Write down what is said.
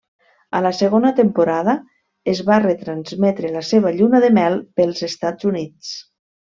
A la segona temporada es va retransmetre la seva lluna de mel pels Estats Units.